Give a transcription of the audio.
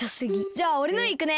じゃあおれのいくね。